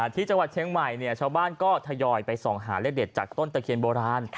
ที่จังหวัดเชียงใหม่ชาวบ้านก็ทยอยไปส่องหาเลขเด็ดจากต้นตะเคียนโบราณ